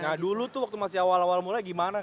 nah dulu tuh waktu masih awal awal mulai gimana